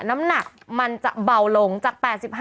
น้ำหนักมันจะเบาลงจาก๘๕